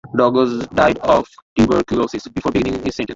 Douglas died of tuberculosis before beginning his sentence.